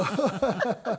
ハハハハ！